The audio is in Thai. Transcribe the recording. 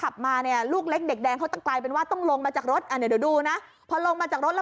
แบบนี้ค่ะ